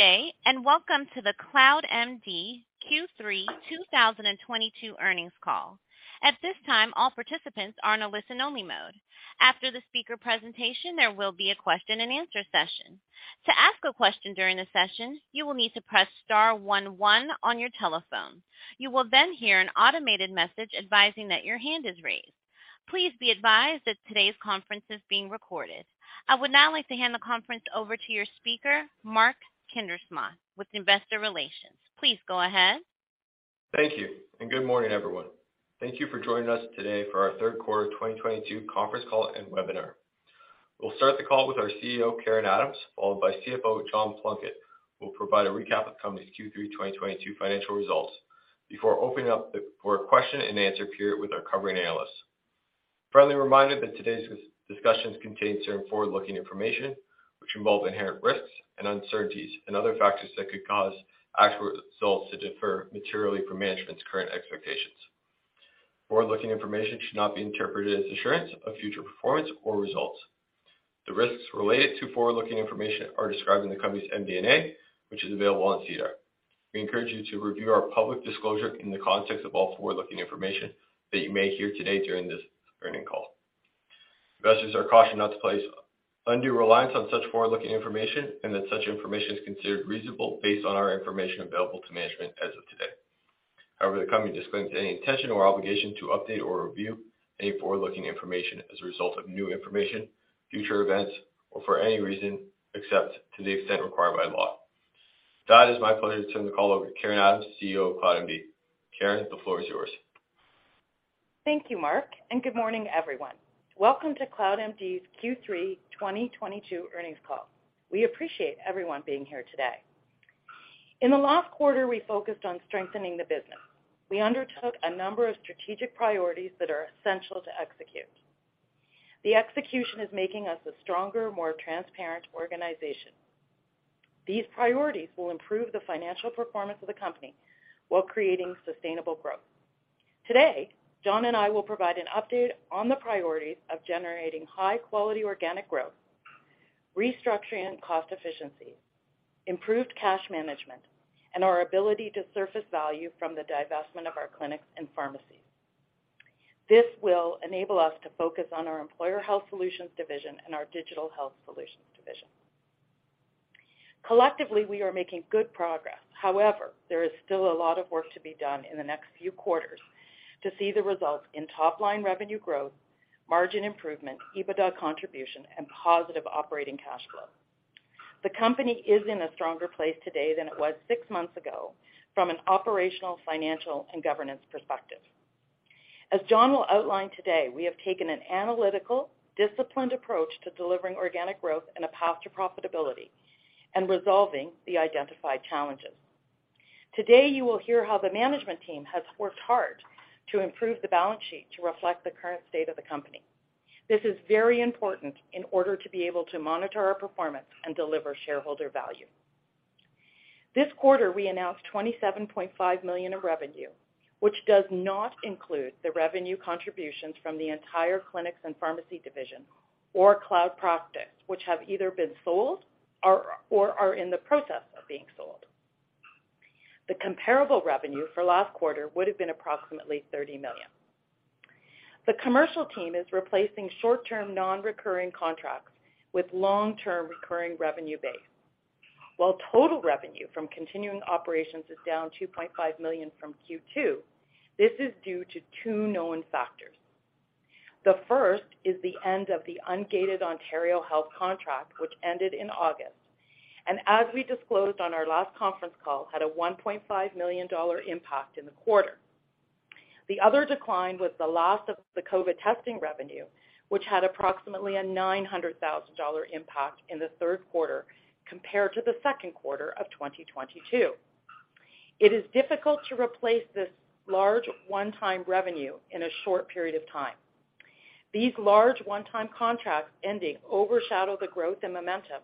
Good day, and welcome to the CloudMD Q3 2022 earnings call. At this time, all participants are in a listen-only mode. After the speaker presentation, there will be a question-and-answer session. To ask a question during the session, you will need to press star one one on your telephone. You will then hear an automated message advising that your hand is raised. Please be advised that today's conference is being recorded. I would now like to hand the conference over to your speaker, Mark Kuindersma, with Investor Relations. Please go ahead. Thank you, and good morning, everyone. Thank you for joining us today for our third quarter 2022 conference call and webinar. We'll start the call with our CEO, Karen Adams, followed by CFO John Plunkett, who will provide a recap of the company's Q3 2022 financial results before opening up the floor for question-and-answer period with our covering analysts. Friendly reminder that today's discussions contain certain forward-looking information which involve inherent risks and uncertainties and other factors that could cause actual results to differ materially from management's current expectations. Forward-looking information should not be interpreted as assurance of future performance or results. The risks related to forward-looking information are described in the company's MD&A, which is available on SEDAR. We encourage you to review our public disclosure in the context of all forward-looking information that you may hear today during this earnings call. Investors are cautioned not to place undue reliance on such forward-looking information and that such information is considered reasonable based on our information available to management as of today. However, the company disclaims any intention or obligation to update or review any forward-looking information as a result of new information, future events, or for any reason except to the extent required by law. With that, it is my pleasure to turn the call over to Karen Adams, CEO of CloudMD. Karen, the floor is yours. Thank you, Mark, and good morning, everyone. Welcome to CloudMD's Q3 2022 earnings call. We appreciate everyone being here today. In the last quarter, we focused on strengthening the business. We undertook a number of strategic priorities that are essential to execute. The execution is making us a stronger, more transparent organization. These priorities will improve the financial performance of the company while creating sustainable growth. Today, John and I will provide an update on the priorities of generating high-quality organic growth, restructuring cost efficiencies, improved cash management, and our ability to surface value from the divestment of our Clinics and Pharmacies. This will enable us to focus on our Employer Health Solutions division and our Digital Health Solutions division. Collectively, we are making good progress. However, there is still a lot of work to be done in the next few quarters to see the results in top-line revenue growth, margin improvement, EBITDA contribution, and positive operating cash flow. The company is in a stronger place today than it was six months ago from an operational, financial, and governance perspective. As John will outline today, we have taken an analytical, disciplined approach to delivering organic growth and a path to profitability and resolving the identified challenges. Today, you will hear how the management team has worked hard to improve the balance sheet to reflect the current state of the company. This is very important in order to be able to monitor our performance and deliver shareholder value. This quarter, we announced 27.5 million in revenue, which does not include the revenue contributions from the entire clinics and pharmacy division or Cloud Practice, which have either been sold or are in the process of being sold. The comparable revenue for last quarter would have been approximately 30 million. The commercial team is replacing short-term non-recurring contracts with long-term recurring revenue base. While total revenue from continuing operations is down 2.5 million from Q2, this is due to two known factors. The first is the end of the ungated Ontario Health contract, which ended in August, and as we disclosed on our last conference call, had a 1.5 million dollar impact in the quarter. The other decline was the loss of the COVID testing revenue, which had approximately a 900,000 dollar impact in the third quarter compared to the second quarter of 2022. It is difficult to replace this large one-time revenue in a short period of time. These large one-time contracts ending overshadow the growth and momentum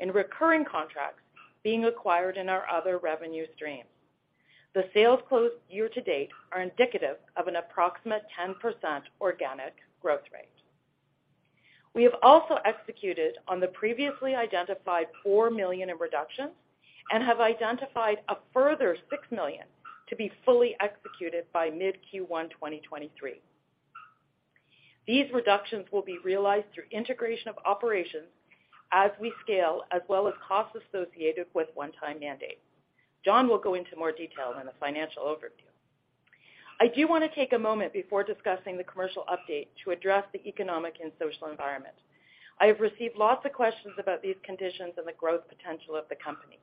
in recurring contracts being acquired in our other revenue streams. The sales closed year to date are indicative of an approximate 10% organic growth rate. We have also executed on the previously identified 4 million in reductions and have identified a further 6 million to be fully executed by mid Q1 2023. These reductions will be realized through integration of operations as we scale, as well as costs associated with one-time mandates. John will go into more detail in the financial overview. I do want to take a moment before discussing the commercial update to address the economic and social environment. I have received lots of questions about these conditions and the growth potential of the company.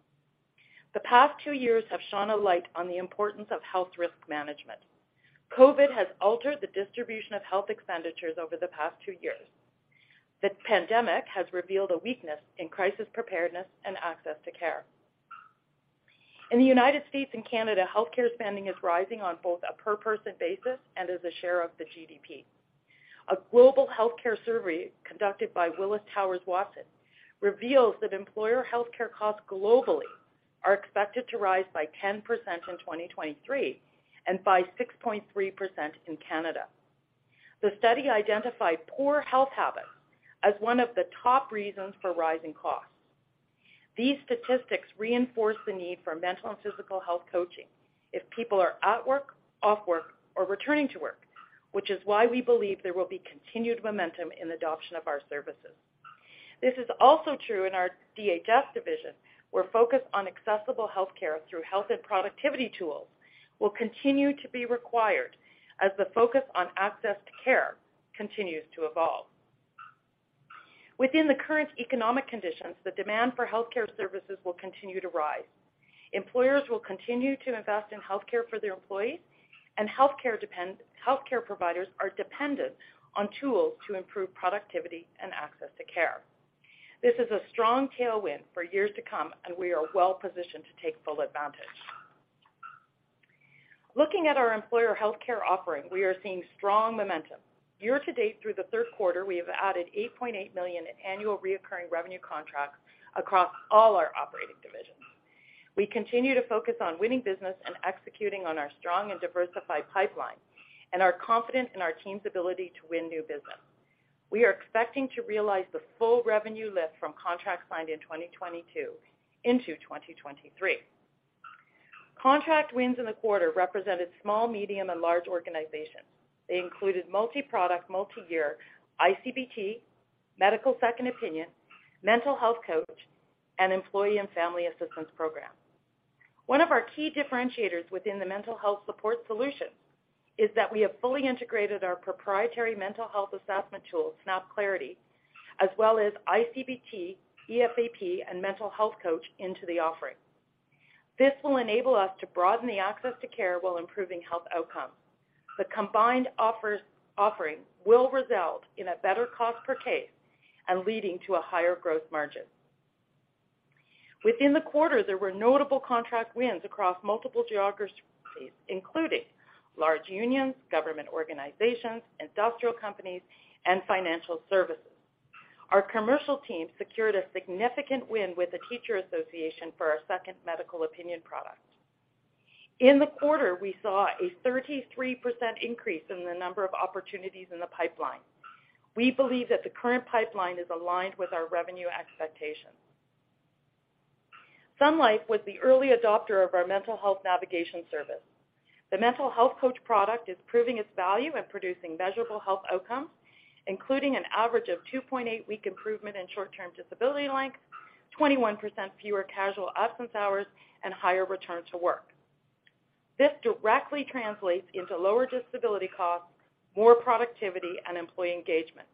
The past two years have shone a light on the importance of health risk management. COVID has altered the distribution of health expenditures over the past two years. The pandemic has revealed a weakness in crisis preparedness and access to care. In the United States and Canada, healthcare spending is rising on both a per person basis and as a share of the GDP. A global healthcare survey conducted by Willis Towers Watson reveals that employer healthcare costs globally are expected to rise by 10% in 2023 and by 6.3% in Canada. The study identified poor health habits as one of the top reasons for rising costs. These statistics reinforce the need for mental and physical health coaching if people are at work, off work, or returning to work, which is why we believe there will be continued momentum in adoption of our services. This is also true in our DHS division, where focus on accessible health care through health and productivity tools will continue to be required as the focus on access to care continues to evolve. Within the current economic conditions, the demand for health care services will continue to rise. Employers will continue to invest in health care for their employees, and health care providers are dependent on tools to improve productivity and access to care. This is a strong tailwind for years to come, and we are well-positioned to take full advantage. Looking at our employer health care offering, we are seeing strong momentum. Year to date through the third quarter, we have added 8.8 million in annual recurring revenue contracts across all our operating divisions. We continue to focus on winning business and executing on our strong and diversified pipeline, and are confident in our team's ability to win new business. We are expecting to realize the full revenue lift from contracts signed in 2022 into 2023. Contract wins in the quarter represented small, medium, and large organizations. They included multi-product, multi-year iCBT, medical second opinion, mental health coach, and employee and family assistance program. One of our key differentiators within the mental health support solution is that we have fully integrated our proprietary mental health assessment tool, Snapclarity, as well as iCBT, EFAP, and mental health coach into the offering. This will enable us to broaden the access to care while improving health outcomes. The combined offering will result in a better cost per case and leading to a higher growth margin. Within the quarter, there were notable contract wins across multiple geographies, including large unions, government organizations, industrial companies, and financial services. Our commercial team secured a significant win with the Teacher Association for our second medical opinion product. In the quarter, we saw a 33% increase in the number of opportunities in the pipeline. We believe that the current pipeline is aligned with our revenue expectations. Sun Life was the early adopter of our mental health navigation service. The mental health coach product is proving its value and producing measurable health outcomes, including an average of 2.8-week improvement in short-term disability length, 21% fewer casual absence hours, and higher return to work. This directly translates into lower disability costs, more productivity, and employee engagement.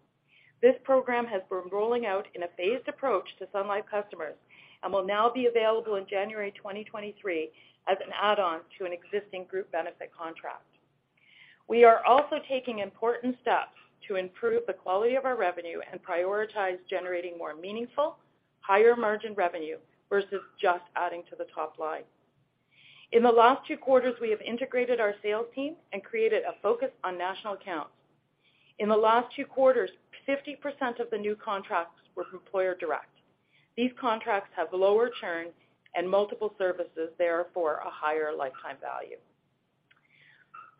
This program has been rolling out in a phased approach to Sun Life customers and will now be available in January 2023 as an add-on to an existing group benefit contract. We are also taking important steps to improve the quality of our revenue and prioritize generating more meaningful, higher margin revenue versus just adding to the top line. In the last two quarters, we have integrated our sales team and created a focus on national accounts. In the last two quarters, 50% of the new contracts were employer direct. These contracts have lower churn and multiple services, therefore, a higher lifetime value.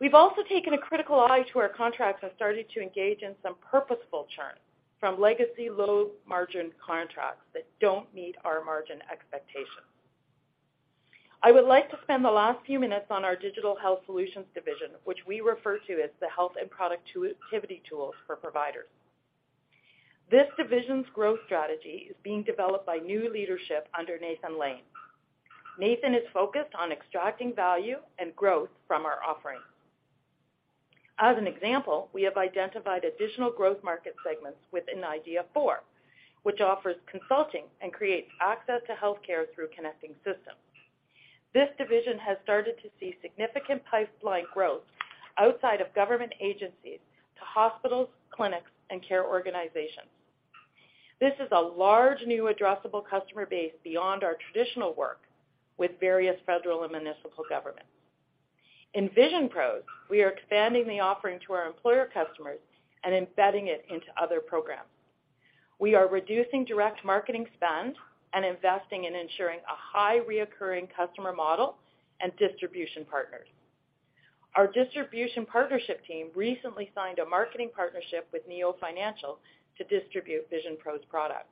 We've also taken a critical eye to our contracts and started to engage in some purposeful churn from legacy low margin contracts that don't meet our margin expectations. I would like to spend the last few minutes on our Digital Health Solutions division, which we refer to as the health and productivity tools for providers. This division's growth strategy is being developed by new leadership under Nathan Lane. Nathan is focused on extracting value and growth from our offerings. As an example, we have identified additional growth market segments within IDYA4, which offers consulting and creates access to health care through connecting systems. This division has started to see significant pipeline growth outside of government agencies to hospitals, clinics, and care organizations. This is a large new addressable customer base beyond our traditional work with various federal and municipal governments. In VisionPros, we are expanding the offering to our employer customers and embedding it into other programs. We are reducing direct marketing spend and investing in ensuring a high recurring customer model and distribution partners. Our distribution partnership team recently signed a marketing partnership with Neo Financial to distribute VisionPros' product.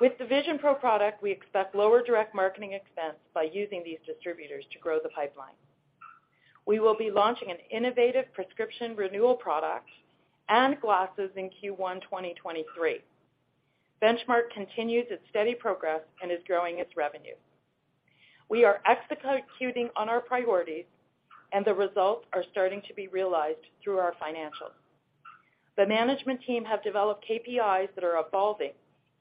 With the VisionPros product, we expect lower direct marketing expense by using these distributors to grow the pipeline. We will be launching an innovative prescription renewal product and glasses in Q1 2023. Benchmark continues its steady progress and is growing its revenue. We are executing on our priorities, and the results are starting to be realized through our financials. The management team have developed KPIs that are evolving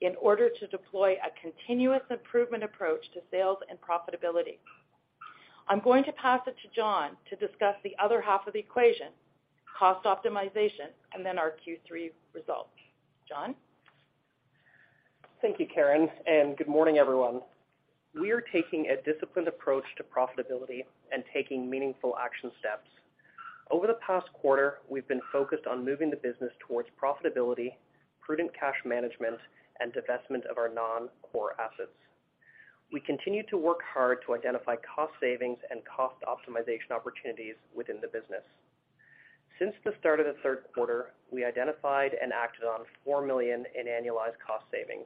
in order to deploy a continuous improvement approach to sales and profitability. I'm going to pass it to John to discuss the other half of the equation, cost optimization, and then our Q3 results. John? Thank you, Karen, and good morning, everyone. We are taking a disciplined approach to profitability and taking meaningful action steps. Over the past quarter, we've been focused on moving the business towards profitability, prudent cash management, and divestment of our non-core assets. We continue to work hard to identify cost savings and cost optimization opportunities within the business. Since the start of the third quarter, we identified and acted on 4 million in annualized cost savings.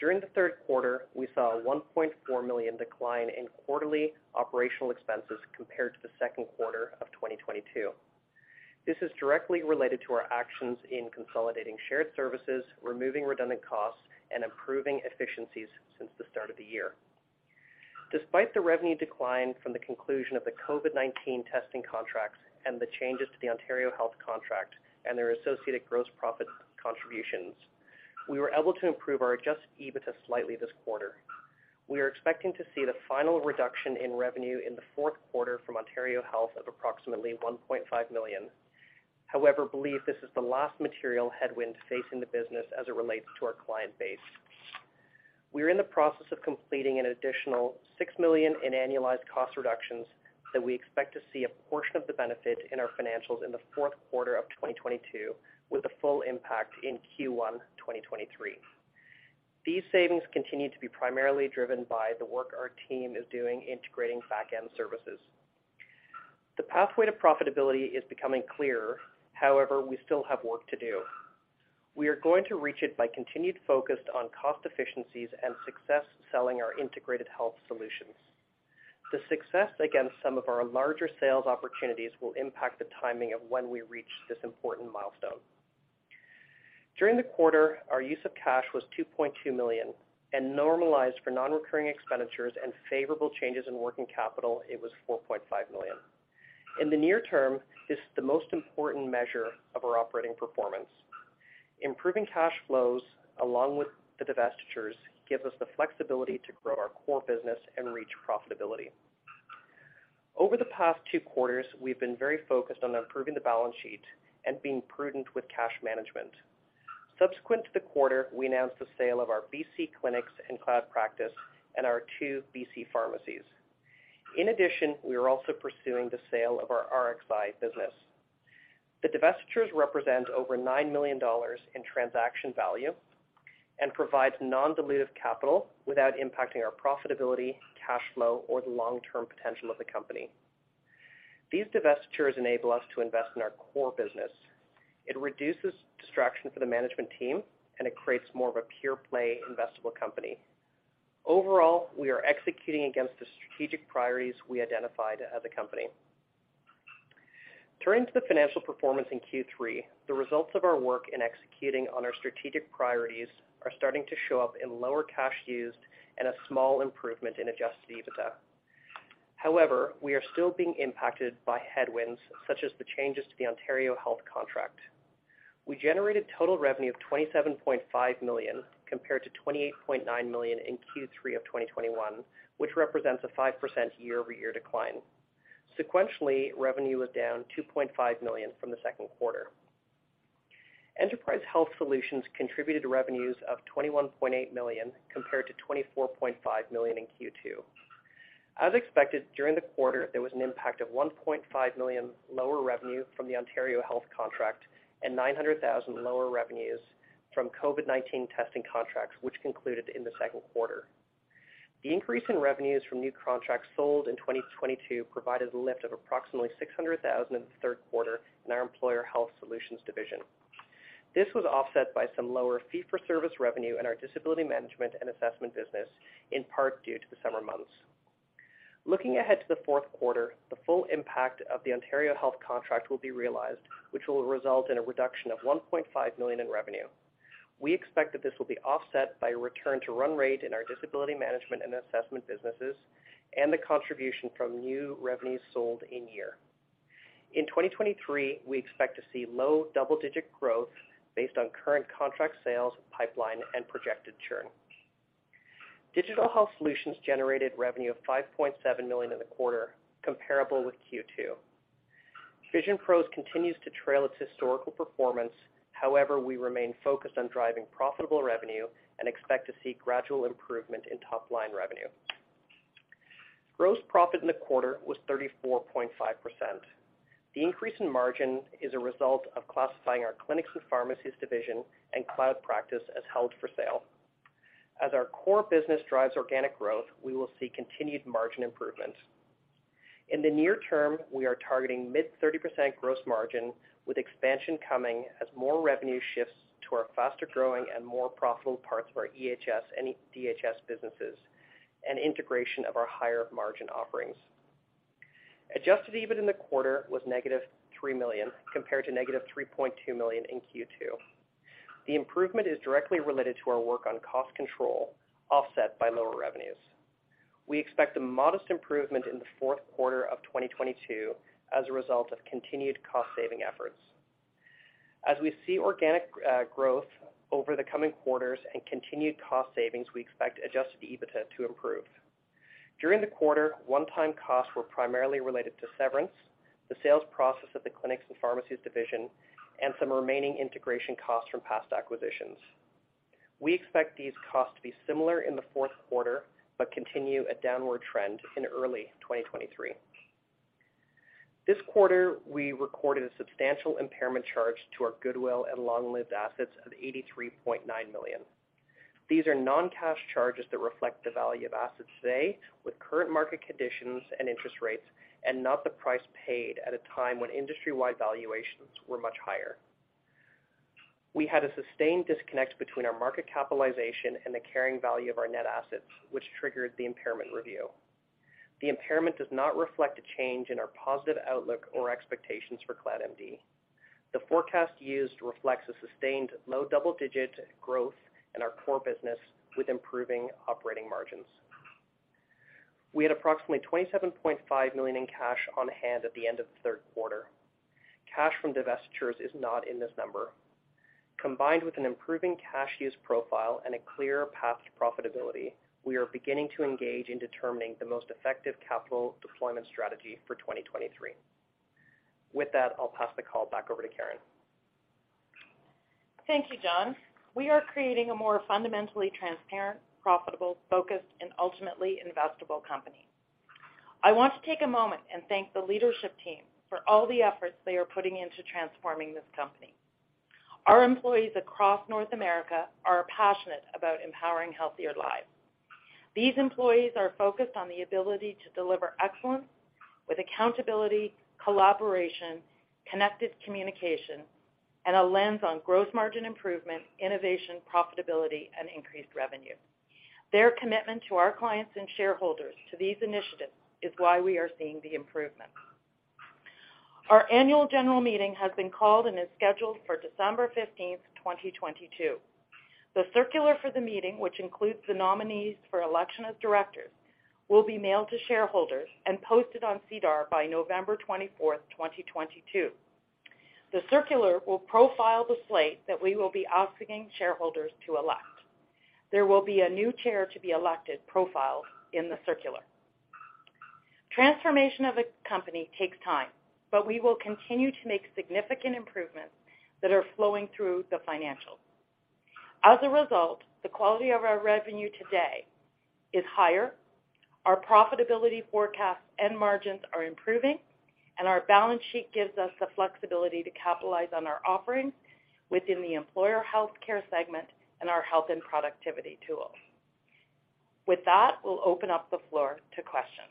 During the third quarter, we saw a 1.4 million decline in quarterly operational expenses compared to the second quarter of 2022. This is directly related to our actions in consolidating shared services, removing redundant costs, and improving efficiencies since the start of the year. Despite the revenue decline from the conclusion of the COVID-19 testing contracts and the changes to the Ontario Health contract and their associated gross profit contributions, we were able to improve our adjusted EBITDA slightly this quarter. We are expecting to see the final reduction in revenue in the fourth quarter from Ontario Health of approximately 1.5 million. However, we believe this is the last material headwind facing the business as it relates to our client base. We are in the process of completing an additional 6 million in annualized cost reductions that we expect to see a portion of the benefit in our financials in the fourth quarter of 2022, with a full impact in Q1 2023. These savings continue to be primarily driven by the work our team is doing integrating back-end services. The pathway to profitability is becoming clearer. However, we still have work to do. We are going to reach it by continued focus on cost efficiencies and success selling our integrated health solutions. The success against some of our larger sales opportunities will impact the timing of when we reach this important milestone. During the quarter, our use of cash was 2.2 million and normalized for non-recurring expenditures and favorable changes in working capital, it was 4.5 million. In the near-term, this is the most important measure of our operating performance. Improving cash flows along with the divestitures gives us the flexibility to grow our core business and reach profitability. Over the past two quarters, we've been very focused on improving the balance sheet and being prudent with cash management. Subsequent to the quarter, we announced the sale of our BC clinics and Cloud Practice and our two BC pharmacies. In addition, we are also pursuing the sale of our Rxi business. The divestitures represent over 9 million dollars in transaction value and provides non-dilutive capital without impacting our profitability, cash flow, or the long-term potential of the company. These divestitures enable us to invest in our core business. It reduces distraction for the management team, and it creates more of a pure-play investable company. Overall, we are executing against the strategic priorities we identified as a company. Turning to the financial performance in Q3, the results of our work in executing on our strategic priorities are starting to show up in lower cash used and a small improvement in adjusted EBITDA. However, we are still being impacted by headwinds such as the changes to the Ontario Health contract. We generated total revenue of 27.5 million compared to 28.9 million in Q3 of 2021, which represents a 5% year-over-year decline. Sequentially, revenue was down 2.5 million from the second quarter. Enterprise Health Solutions contributed to revenues of 21.8 million compared to 24.5 million in Q2. As expected, during the quarter, there was an impact of 1.5 million lower revenue from the Ontario Health contract and 900,000 lower revenues from COVID-19 testing contracts, which concluded in the second quarter. The increase in revenues from new contracts sold in 2022 provided a lift of approximately 600,000 in the third quarter in our Employer Health Solutions division. This was offset by some lower fee-for-service revenue in our disability management and assessment business, in part due to the summer months. Looking ahead to the fourth quarter, the full impact of the Ontario Health contract will be realized, which will result in a reduction of 1.5 million in revenue. We expect that this will be offset by a return to run rate in our disability management and assessment businesses and the contribution from new revenues sold in year. In 2023, we expect to see low double-digit growth based on current contract sales, pipeline, and projected churn. Digital Health Solutions generated revenue of 5.7 million in the quarter, comparable with Q2. VisionPros continues to trail its historical performance. However, we remain focused on driving profitable revenue and expect to see gradual improvement in top-line revenue. Gross profit in the quarter was 34.5%. The increase in margin is a result of Clinics and Pharmacies division and Cloud Practice as held for sale. As our core business drives organic growth, we will see continued margin improvement. In the near-term, we are targeting mid-30% gross margin, with expansion coming as more revenue shifts to our faster-growing and more profitable parts of our EHS and DHS businesses and integration of our higher margin offerings. Adjusted EBIT in the quarter was -3 million compared to -3.2 million in Q2. The improvement is directly related to our work on cost control, offset by lower revenues. We expect a modest improvement in the fourth quarter of 2022 as a result of continued cost-saving efforts. As we see organic growth over the coming quarters and continued cost savings, we expect adjusted EBITDA to improve. During the quarter, one-time costs were primarily related to severance, the sales process of the Clinics and Pharmacies division, and some remaining integration costs from past acquisitions. We expect these costs to be similar in the fourth quarter, but continue a downward trend in early 2023. This quarter, we recorded a substantial impairment charge to our goodwill and long-lived assets of 83.9 million. These are non-cash charges that reflect the value of assets today with current market conditions and interest rates and not the price paid at a time when industry-wide valuations were much higher. We had a sustained disconnect between our market capitalization and the carrying value of our net assets, which triggered the impairment review. The impairment does not reflect a change in our positive outlook or expectations for CloudMD. The forecast used reflects a sustained low double-digit growth in our core business with improving operating margins. We had approximately 27.5 million in cash on hand at the end of the third quarter. Cash from divestitures is not in this number. Combined with an improving cash use profile and a clear path to profitability, we are beginning to engage in determining the most effective capital deployment strategy for 2023. With that, I'll pass the call back over to Karen. Thank you, John. We are creating a more fundamentally transparent, profitable, focused, and ultimately investable company. I want to take a moment and thank the leadership team for all the efforts they are putting into transforming this company. Our employees across North America are passionate about empowering healthier lives. These employees are focused on the ability to deliver excellence with accountability, collaboration, connected communication, and a lens on gross margin improvement, innovation, profitability, and increased revenue. Their commitment to our clients and shareholders to these initiatives is why we are seeing the improvement. Our annual general meeting has been called and is scheduled for December 15, 2022. The circular for the meeting, which includes the nominees for election of directors, will be mailed to shareholders and posted on SEDAR by November 24, 2022. The circular will profile the slate that we will be asking shareholders to elect. There will be a new chair to be elected profiled in the circular. Transformation of a company takes time, but we will continue to make significant improvements that are flowing through the financials. As a result, the quality of our revenue today is higher, our profitability forecasts and margins are improving, and our balance sheet gives us the flexibility to capitalize on our offerings within the employer healthcare segment and our health and productivity tools. With that, we'll open up the floor to questions.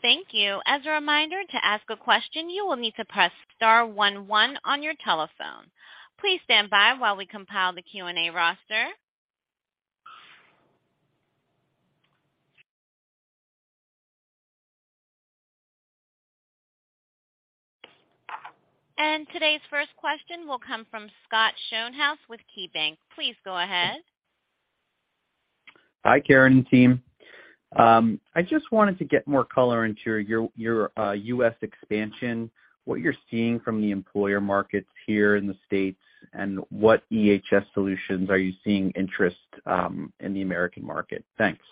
Thank you. As a reminder, to ask a question, you will need to press star one one on your telephone. Please stand by while we compile the Q&A roster. Today's first question will come from Scott Schoenhaus with KeyBanc. Please go ahead. Hi, Karen and team. I just wanted to get more color into your U.S. expansion, what you're seeing from the employer markets here in the States, and what EHS solutions are you seeing interest in the American market? Thanks.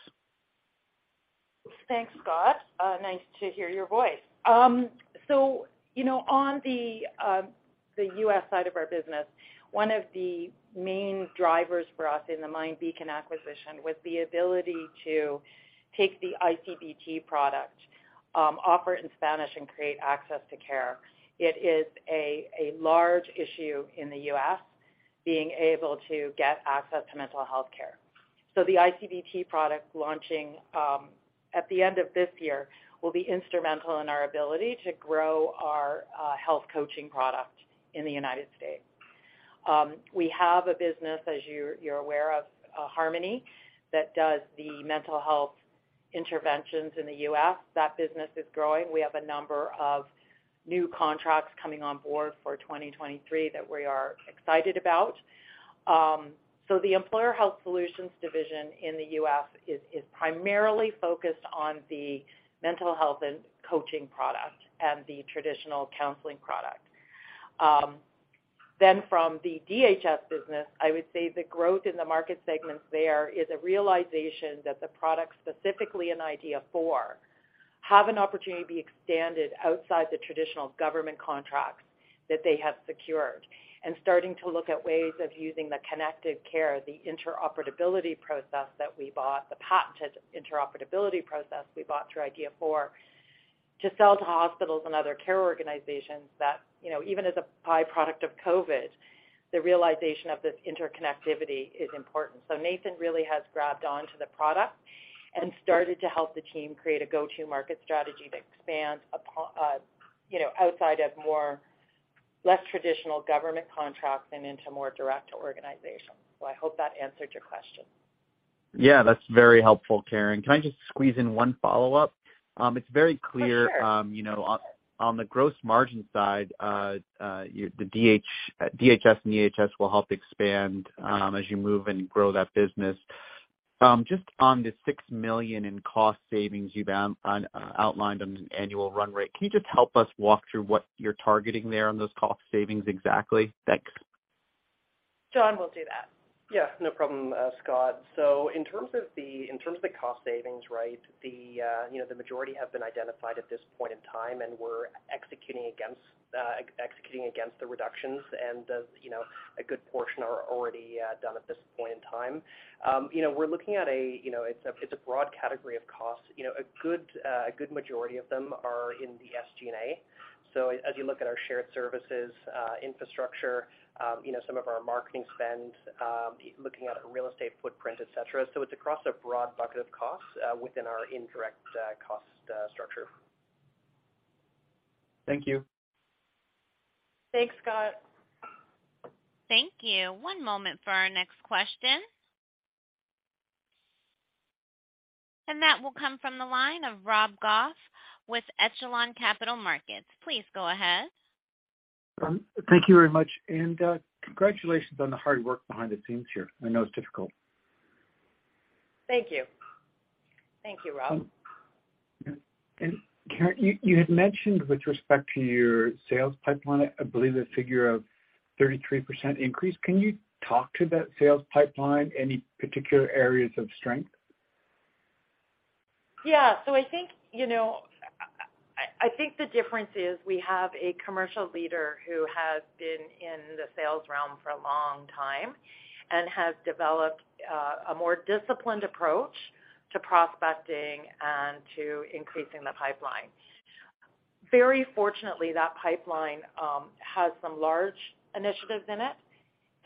Thanks, Scott. Nice to hear your voice. You know, on the U.S. side of our business, one of the main drivers for us in the MindBeacon acquisition was the ability to take the iCBT product, offer it in Spanish and create access to care. It is a large issue in the U.S. being able to get access to mental health care. The iCBT product launching at the end of this year will be instrumental in our ability to grow our health coaching product in the United States. We have a business, as you're aware of, Harmony, that does the mental health interventions in the U.S. That business is growing. We have a number of new contracts coming on board for 2023 that we are excited about. The Employer Health Solutions division in the U.S. is primarily focused on the mental health and coaching product and the traditional counseling product. From the DHS business, I would say the growth in the market segments there is a realization that the products, specifically in IDYA4, have an opportunity to be expanded outside the traditional government contracts that they have secured and starting to look at ways of using the connected care, the patented interoperability process we bought through IDYA4, to sell to hospitals and other care organizations that, you know, even as a by-product of COVID, the realization of this interconnectivity is important. Nathan really has grabbed on to the product and started to help the team create a go-to market strategy that expands upon, you know, outside of more or less traditional government contracts and into more direct organizations. I hope that answered your question. Yeah, that's very helpful, Karen. Can I just squeeze in one follow-up? Oh, sure. It's very clear, you know, on the gross margin side, the DHS and EHS will help expand, as you move and grow that business. Just on the 6 million in cost savings you've outlined on an annual run rate, can you just help us walk through what you're targeting there on those cost savings exactly? Thanks. John will do that. Yeah, no problem, Scott. In terms of the cost savings, right, the, you know, the majority have been identified at this point in time, and we're executing against the reductions. You know, a good portion are already done at this point in time. You know, we're looking at a, you know, it's a broad category of costs. You know, a good majority of them are in the SG&A. As you look at our shared services, infrastructure, you know, some of our marketing spend, looking at real estate footprint, et cetera. It's across a broad bucket of costs within our indirect cost structure. Thank you. Thanks, Scott. Thank you. One moment for our next question. That will come from the line of Rob Goff with ECHELON Capital Markets. Please go ahead. Thank you very much. Congratulations on the hard work behind the scenes here. I know it's difficult. Thank you. Thank you, Rob. Karen, you had mentioned with respect to your sales pipeline, I believe the figure of 33% increase, can you talk to that sales pipeline, any particular areas of strength? Yeah. I think, you know, the difference is we have a commercial leader who has been in the sales realm for a long time and has developed a more disciplined approach to prospecting and to increasing the pipeline. Very fortunately, that pipeline has some large initiatives in it,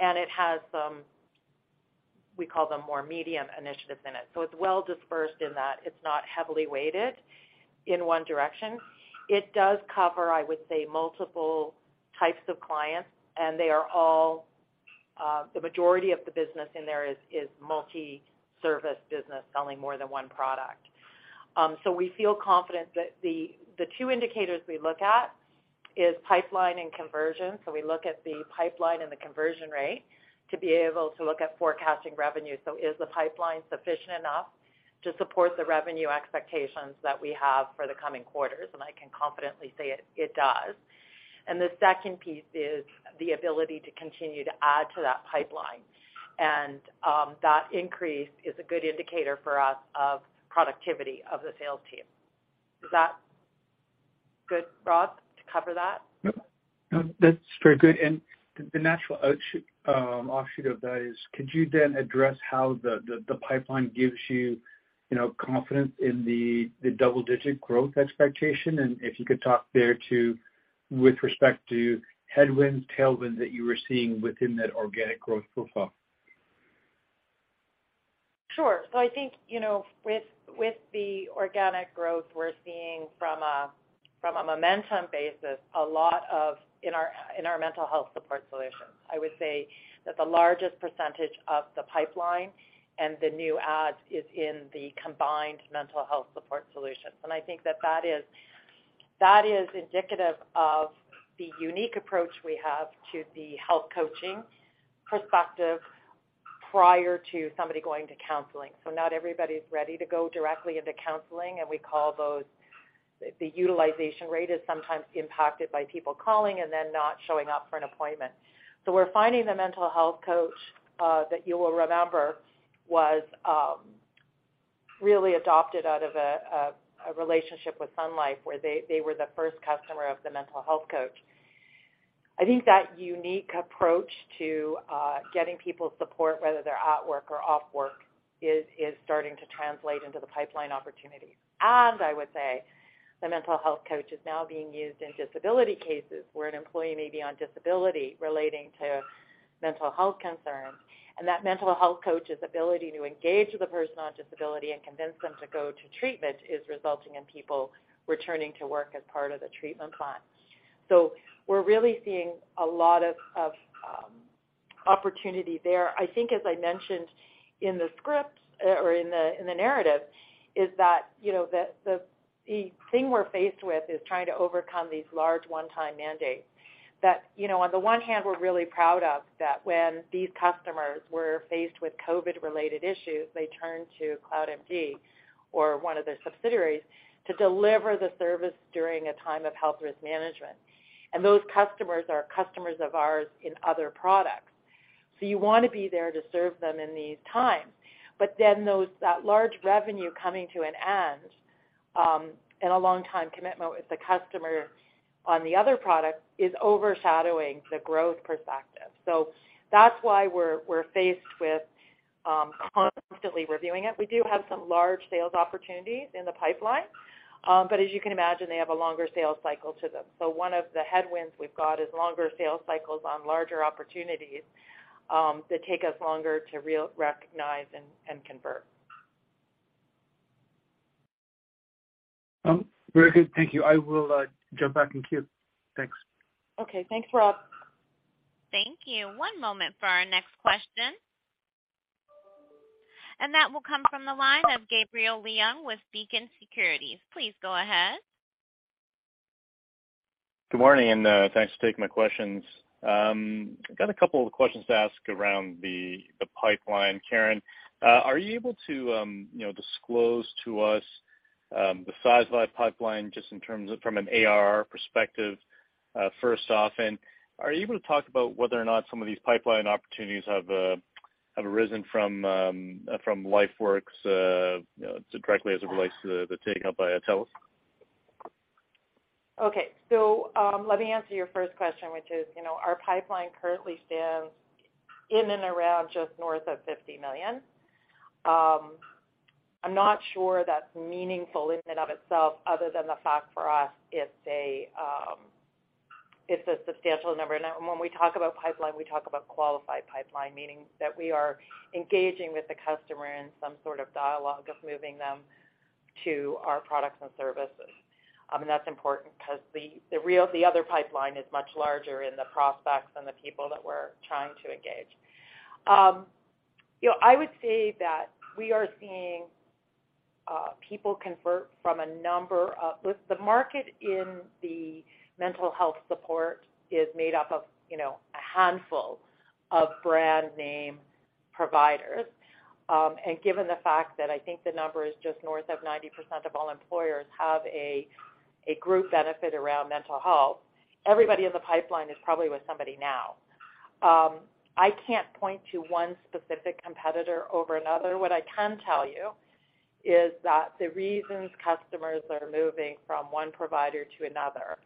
and it has some, we call them more medium initiatives in it. It's well dispersed in that it's not heavily weighted in one direction. It does cover, I would say, multiple types of clients, and they are all the majority of the business in there is multi-service business selling more than one product. We feel confident that the two indicators we look at is pipeline and conversion. We look at the pipeline and the conversion rate to be able to look at forecasting revenue. Is the pipeline sufficient enough to support the revenue expectations that we have for the coming quarters? I can confidently say it does. The second piece is the ability to continue to add to that pipeline. That increase is a good indicator for us of productivity of the sales team. Is that good, Rob, to cover that? Yep. No, that's very good. The natural offshoot of that is, could you then address how the pipeline gives you know, confidence in the double-digit growth expectation? If you could talk there to, with respect to headwinds, tailwinds that you were seeing within that organic growth profile? Sure. I think, you know, with the organic growth we're seeing from a momentum basis, a lot of in our mental health support solutions. I would say that the largest percentage of the pipeline and the new adds is in the combined mental health support solutions. I think that is indicative of the unique approach we have to the health coaching perspective prior to somebody going to counseling. Not everybody's ready to go directly into counseling, and we call those the utilization rate is sometimes impacted by people calling and then not showing up for an appointment. We're finding the mental health coach that you will remember was really adopted out of a relationship with Sun Life, where they were the first customer of the mental health coach. I think that unique approach to getting people support, whether they're at work or off work, is starting to translate into the pipeline opportunities. I would say the mental health coach is now being used in disability cases where an employee may be on disability relating to mental health concerns, and that mental health coach's ability to engage with a person on disability and convince them to go to treatment is resulting in people returning to work as part of the treatment plan. We're really seeing a lot of opportunity there. I think, as I mentioned in the script or in the narrative, is that you know the thing we're faced with is trying to overcome these large one-time mandates. That, you know, on the one hand, we're really proud of that when these customers were faced with COVID-related issues, they turned to CloudMD or one of their subsidiaries to deliver the service during a time of health risk management. Those customers are customers of ours in other products. You wanna be there to serve them in these times. Then those, that large revenue coming to an end, and a long time commitment with the customer on the other product is overshadowing the growth perspective. That's why we're faced with constantly reviewing it. We do have some large sales opportunities in the pipeline, but as you can imagine, they have a longer sales cycle to them. One of the headwinds we've got is longer sales cycles on larger opportunities, that take us longer to recognize and convert. Very good. Thank you. I will jump back in queue. Thanks. Okay. Thanks, Rob. Thank you. One moment for our next question. That will come from the line of Gabriel Leung with Beacon Securities. Please go ahead. Good morning, thanks for taking my questions. I've got a couple of questions to ask around the pipeline. Karen, are you able to, you know, disclose to us the size of that pipeline just in terms of from an ARR perspective? First off, are you able to talk about whether or not some of these pipeline opportunities have arisen from LifeWorks, you know, directly as it relates to the taking up by TELUS? Okay. Let me answer your first question, which is, you know, our pipeline currently stands in and around just north of 50 million. I'm not sure that's meaningful in and of itself other than the fact for us it's a, it's a substantial number. Now, when we talk about pipeline, we talk about qualified pipeline, meaning that we are engaging with the customer in some sort of dialogue of moving them to our products and services. That's important because the real other pipeline is much larger in the prospects than the people that we're trying to engage. You know, I would say that we are seeing people convert. Look, the market in the mental health support is made up of, you know, a handful of brand name providers. Given the fact that I think the number is just north of 90% of all employers have a group benefit around mental health, everybody in the pipeline is probably with somebody now. I can't point to one specific competitor over another. What I can tell you is that the reasons customers are moving from one provider to another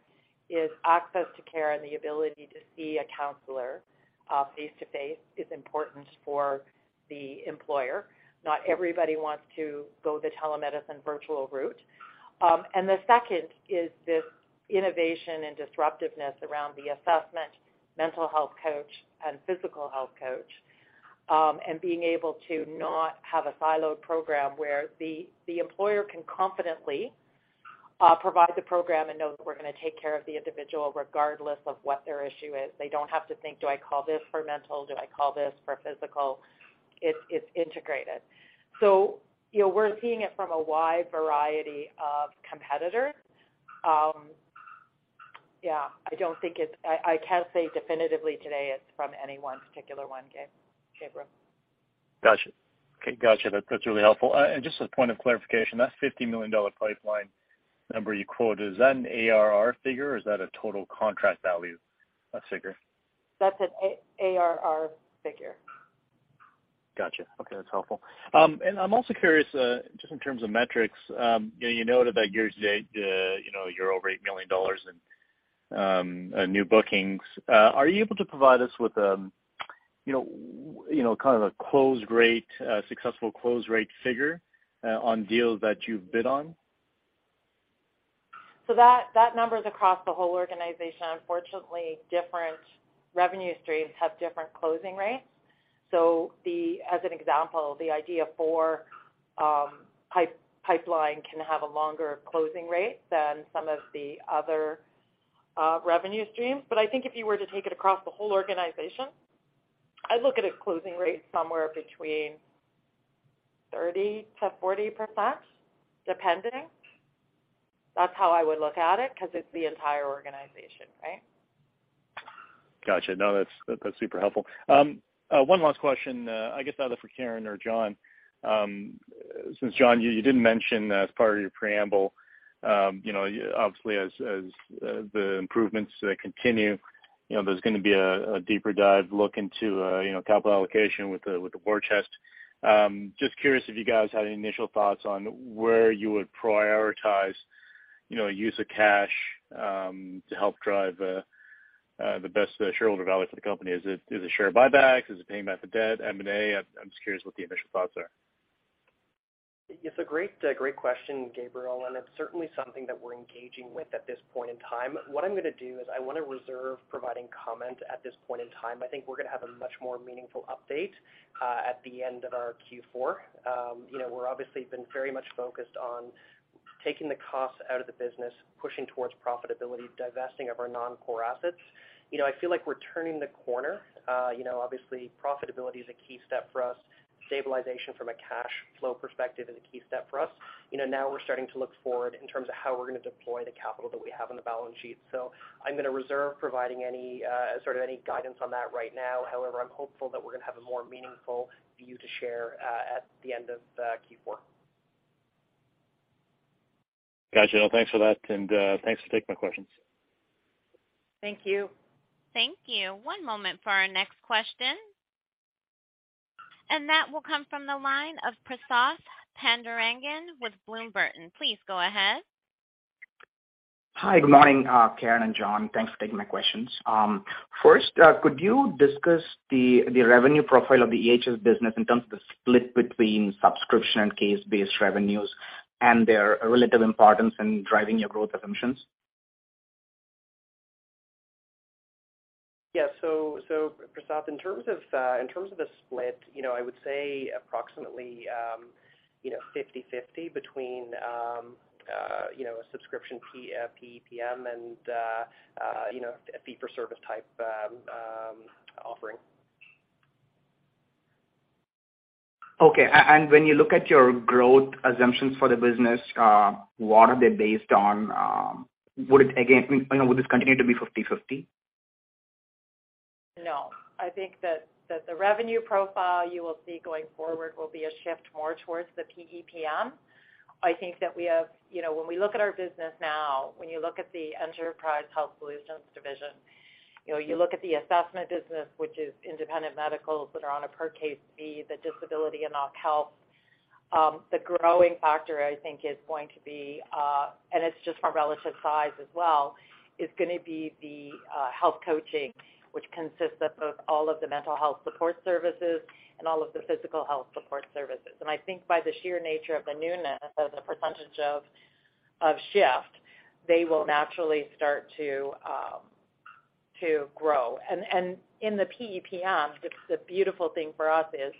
is access to care and the ability to see a counselor face-to-face is important for the employer. Not everybody wants to go the telemedicine virtual route. The second is this innovation and disruptiveness around the assessment, mental health coach, and physical health coach, and being able to not have a siloed program where the employer can confidently provide the program and know that we're gonna take care of the individual regardless of what their issue is. They don't have to think, "Do I call this for mental? Do I call this for physical?" It's integrated. You know, we're seeing it from a wide variety of competitors. Yeah, I can't say definitively today it's from any one particular one, Gabe. Gabriel. Gotcha. Okay. Gotcha. That's really helpful. Just as a point of clarification, that 50 million dollar pipeline number you quoted, is that an ARR figure, or is that a total contract value, figure? That's an ARR figure. Gotcha. Okay. That's helpful. I'm also curious, just in terms of metrics, you know, you noted that year-to-date, you know, you're over 8 million dollars in new bookings. Are you able to provide us with, kind of a close rate, successful close rate figure, on deals that you've bid on? That number is across the whole organization. Unfortunately, different revenue streams have different closing rates. As an example, the pipeline can have a longer closing rate than some of the other revenue streams. I think if you were to take it across the whole organization, I'd look at a closing rate somewhere between 30%-40%, depending. That's how I would look at it because it's the entire organization, right? Gotcha. No, that's super helpful. One last question, I guess either for Karen or John. Since John, you didn't mention as part of your preamble, you know, obviously as the improvements continue, you know, there's gonna be a deeper dive look into, you know, capital allocation with the war chest. Just curious if you guys had any initial thoughts on where you would prioritize, you know, use of cash to help drive the best shareholder value for the company. Is it share buybacks? Is it paying back the debt? M&A? I'm just curious what the initial thoughts are. It's a great question, Gabriel, and it's certainly something that we're engaging with at this point in time. What I'm gonna do is I wanna reserve providing comment at this point in time. I think we're gonna have a much more meaningful update at the end of our Q4. You know, we're obviously been very much focused on taking the costs out of the business, pushing towards profitability, divesting of our non-core assets. You know, I feel like we're turning the corner. You know, obviously profitability is a key step for us. Stabilization from a cash flow perspective is a key step for us. You know, now we're starting to look forward in terms of how we're gonna deploy the capital that we have on the balance sheet. I'm gonna reserve providing any sort of guidance on that right now. However, I'm hopeful that we're gonna have a more meaningful view to share at the end of Q4. Gotcha. Thanks for that, and thanks for taking my questions. Thank you. Thank you. One moment for our next question. That will come from the line of Prasath Pandurangan with Bloom Burton. Please go ahead. Hi. Good morning, Karen and John. Thanks for taking my questions. First, could you discuss the revenue profile of the EHS business in terms of the split between subscription and case-based revenues and their relative importance in driving your growth assumptions? Prasath, in terms of the split, you know, I would say approximately, you know, 50/50 between, you know, a subscription PEPM and, you know, a fee for service type offering. Okay. When you look at your growth assumptions for the business, what are they based on? Would it again, you know, would this continue to be 50/50? No, I think that the revenue profile you will see going forward will be a shift more towards the PEPM. I think that we have, you know, when we look at our business now, when you look at the Enterprise Health Solutions division, you know, you look at the assessment business, which is independent medicals that are on a per case fee, the disability and op health. The growing factor I think is going to be, and it's just from relative size as well, is gonna be the health coaching, which consists of all of the mental health support services and all of the physical health support services. I think by the sheer nature of the newness as a percentage of shift, they will naturally start to grow. In the PEPM, the beautiful thing for us is,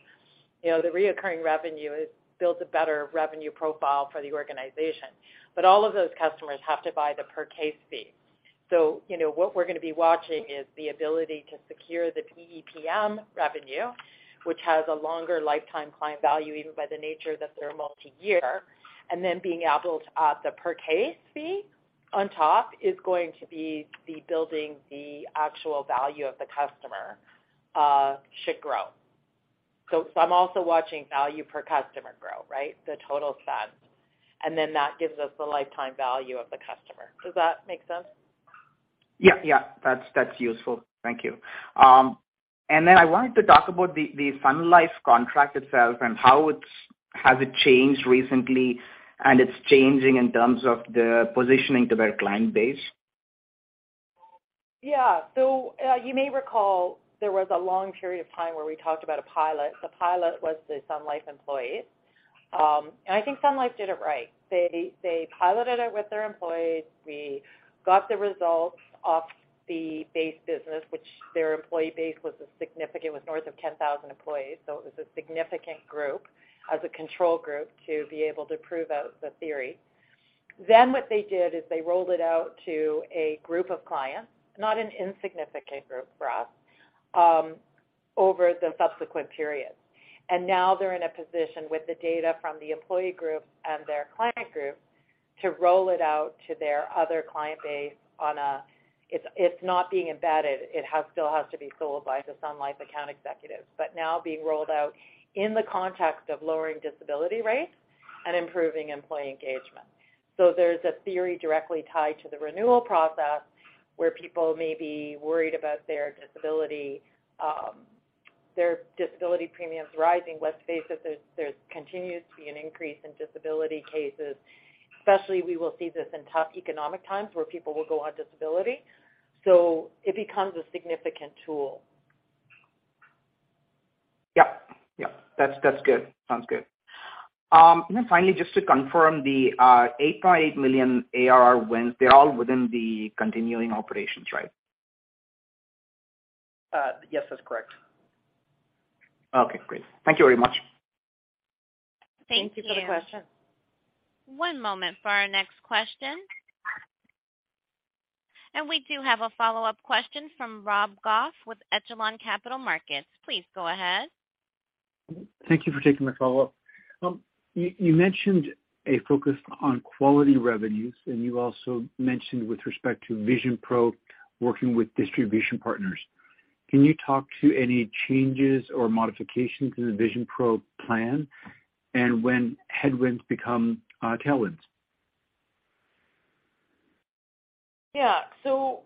you know, the recurring revenue is builds a better revenue profile for the organization. All of those customers have to buy the per case fee. You know, what we're gonna be watching is the ability to secure the PEPM revenue, which has a longer lifetime client value, even by the nature that they're multi-year. Then being able to add the per case fee on top is going to be the building the actual value of the customer should grow. I'm also watching value per customer grow, right? The total spend. Then that gives us the lifetime value of the customer. Does that make sense? Yeah. That's useful. Thank you. I wanted to talk about the Sun Life contract itself and how has it changed recently and it's changing in terms of the positioning to their client base? Yeah. You may recall there was a long period of time where we talked about a pilot. The pilot was the Sun Life employee. I think Sun Life did it right. They piloted it with their employees. We got the results off the base business, which their employee base was significant, north of 10,000 employees. It was a significant group as a control group to be able to prove out the theory. What they did is they rolled it out to a group of clients, not an insignificant group for us, over the subsequent periods. Now they're in a position with the data from the employee group and their client group to roll it out to their other client base on a. It's not being embedded. Still has to be sold by the Sun Life account executive, but now being rolled out in the context of lowering disability rates and improving employee engagement. There's a theory directly tied to the renewal process where people may be worried about their disability premiums rising. Let's face it, there continues to be an increase in disability cases. Especially, we will see this in tough economic times where people will go on disability. It becomes a significant tool. Yep. That's good. Sounds good. Finally, just to confirm the 8.8 million ARR wins, they're all within the continuing operations, right? Yes, that's correct. Okay, great. Thank you very much. Thank you. Thank you for the question. One moment for our next question. We do have a follow-up question from Rob Goff with ECHELON Capital Markets. Please go ahead. Thank you for taking my follow-up. You mentioned a focus on quality revenues, and you also mentioned with respect to VisionPros working with distribution partners. Can you talk to any changes or modifications in the VisionPros plan and when headwinds become tailwinds? Yeah. Oh,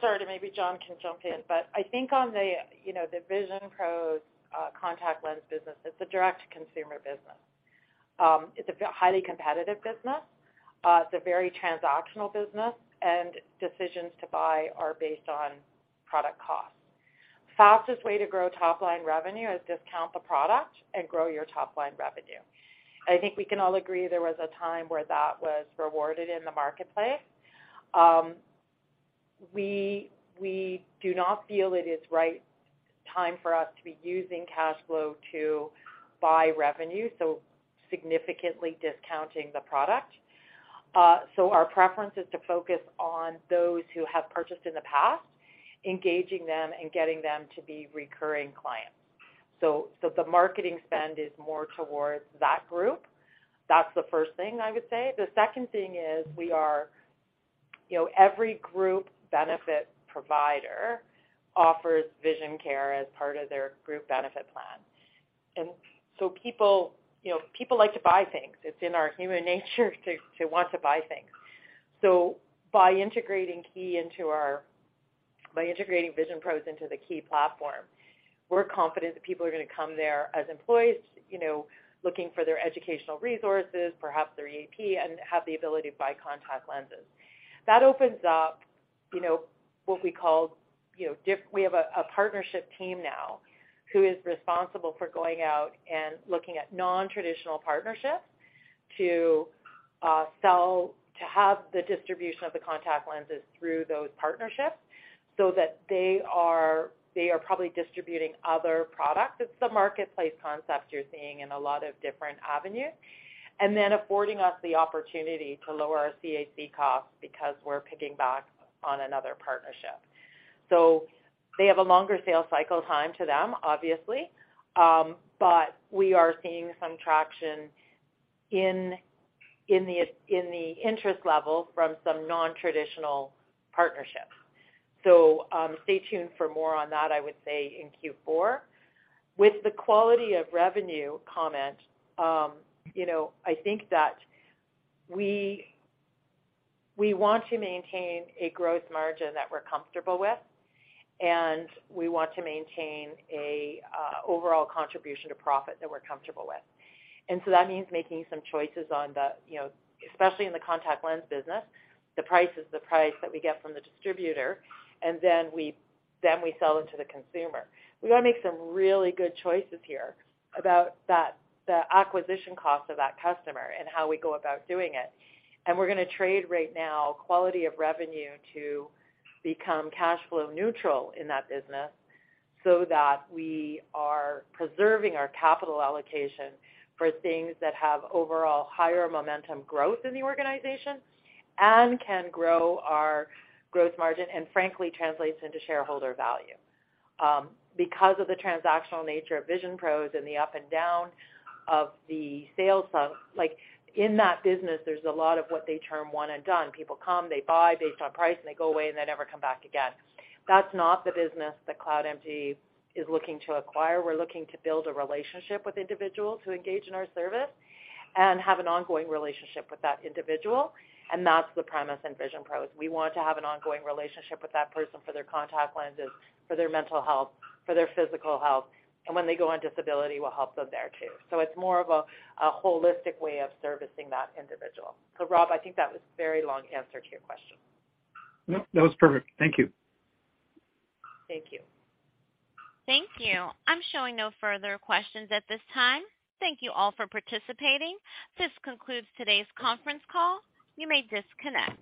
sorry. Maybe John can jump in. I think on the, you know, the VisionPros' contact lens business, it's a direct-to-consumer business. It's a highly competitive business. It's a very transactional business, and decisions to buy are based on product costs. Fastest way to grow top line revenue is discount the product and grow your top line revenue. I think we can all agree there was a time where that was rewarded in the marketplace. We do not feel it is right time for us to be using cash flow to buy revenue, so significantly discounting the product. Our preference is to focus on those who have purchased in the past, engaging them and getting them to be recurring clients. The marketing spend is more towards that group. That's the first thing I would say. The second thing is we are, you know, every group benefit provider offers vision care as part of their group benefit plan. People, you know, people like to buy things. It's in our human nature to want to buy things. By integrating VisionPros into the Kii platform, we're confident that people are gonna come there as employees, you know, looking for their educational resources, perhaps their EAP, and have the ability to buy contact lenses. That opens up, you know, what we call, you know, we have a partnership team now who is responsible for going out and looking at non-traditional partnerships to have the distribution of the contact lenses through those partnerships so that they are probably distributing other products. It's the marketplace concept you're seeing in a lot of different avenues. Affording us the opportunity to lower our CAC costs because we're piggybacking on another partnership. They have a longer sales cycle time to them, obviously. But we are seeing some traction in the interest level from some non-traditional partnerships. Stay tuned for more on that, I would say in Q4. With the quality of revenue comment, you know, I think that we want to maintain a growth margin that we're comfortable with, and we want to maintain a overall contribution to profit that we're comfortable with. That means making some choices on the, you know, especially in the contact lens business, the price is the price that we get from the distributor, and then we sell them to the consumer. We wanna make some really good choices here about that, the acquisition cost of that customer and how we go about doing it. We're gonna trade right now quality of revenue to become cash flow neutral in that business so that we are preserving our capital allocation for things that have overall higher momentum growth in the organization and can grow our growth margin, and frankly translates into shareholder value. Because of the transactional nature of VisionPros and the up and down of the sales, so like in that business, there's a lot of what they term one and done. People come, they buy based on price, and they go away, and they never come back again. That's not the business that CloudMD is looking to acquire. We're looking to build a relationship with individuals who engage in our service and have an ongoing relationship with that individual. That's the premise in VisionPros. We want to have an ongoing relationship with that person for their contact lenses, for their mental health, for their physical health. When they go on disability, we'll help them there too. It's more of a holistic way of servicing that individual. Rob, I think that was a very long answer to your question. No, that was perfect. Thank you. Thank you. Thank you. I'm showing no further questions at this time. Thank you all for participating. This concludes today's conference call. You may disconnect.